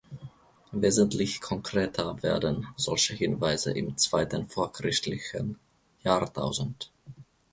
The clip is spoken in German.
Wesentlich konkreter werden solche Hinweise im zweiten vorchristlichen Jahrtausend.